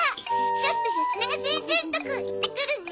ちょっとよしなが先生のとこ行ってくるね。